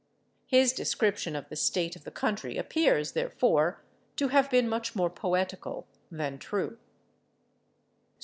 His description of the state of the country appears, therefore, to have been much more poetical than true.